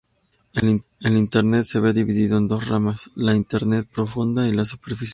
El internet se ve dividido en dos ramas, la internet profunda y la superficial.